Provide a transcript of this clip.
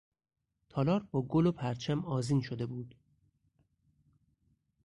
تالار با گل و پرچم آذین شده بود.